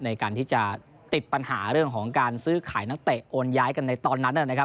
ในการที่จะติดปัญหาเรื่องของการซื้อขายนักเตะโอนย้ายกันในตอนนั้นนะครับ